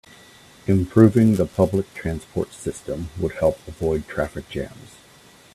Improving the public transport system would help avoid traffic jams.